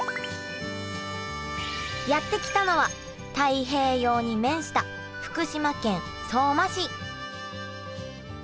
やって来たのは太平洋に面した福島県相馬市。